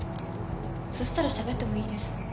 「そしたらしゃべってもいいです」